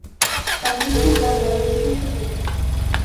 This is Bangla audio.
তার মৃত্যুর পর ব্যারন বিলুপ্ত হয়ে যায়।